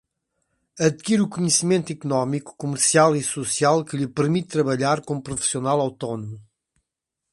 Adquire o conhecimento econômico, comercial e social que lhe permite trabalhar como profissional autônomo.